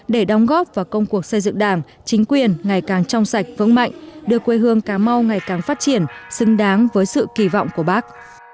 để đóng góp vào công cuộc xây dựng đảng chính quyền ngày càng trong sạch vững mạnh đưa quê hương cà mau ngày càng phát triển xứng đáng với sự kỳ vọng của bác